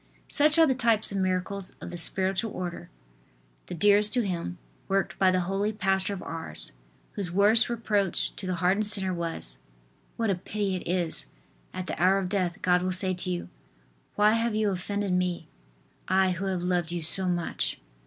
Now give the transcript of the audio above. Such are the types of miracles of the spiritual order, the dearest to him, worked by the holy pastor of Ars, whose worst reproach to the hardened sinner was: "What a pity it is! At the hour of death God will say to you: "Why have you offended Me. I who have loved you so much.""